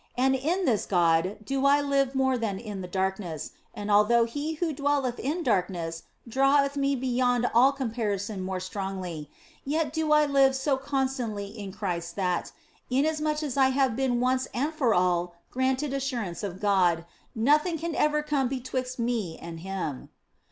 And in this God do I live more than in the darkness, and although He who dwelleth in darkness draweth me beyond all comparison more strongly, yet do I live so constantly in Christ that, inasmuch as I have been once and for all granted assurance of God, nothing can ever come be twixt me and Him.